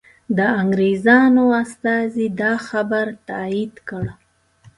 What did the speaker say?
د انګریزانو استازي دا خبر تایید کړ.